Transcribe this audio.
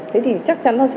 thế thì chắc chắn nó sẽ